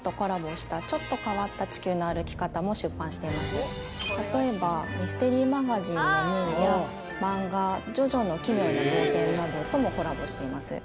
こちら続いては例えばミステリーマガジンの「ムー」や漫画「ジョジョの奇妙な冒険」などともコラボしています